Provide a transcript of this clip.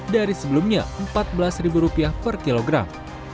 dari sebelumnya rp empat belas per kilogram